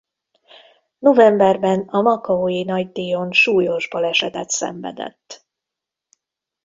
Novemberben a Makaói nagydíjon súlyos balesetet szenvedett.